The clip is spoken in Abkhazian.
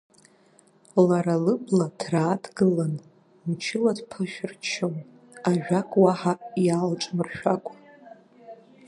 Лара лыбла ҭраа дгылан, мчыла дԥышәырччон, ажәак уаҳа иаалҿмыршәакәа.